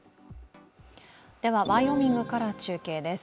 ではワイオミングから中継です。